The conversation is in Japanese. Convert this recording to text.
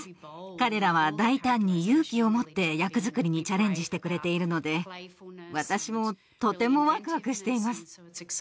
彼らは大胆に勇気を持って役作りにチャレンジしてくれているので私もとてもワクワクしています。